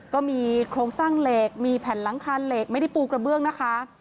ก็มีโครงสร้างเหล็กมีแผ่นหลังคาเหล็กไม่ได้ปูกระเบื้องนะคะ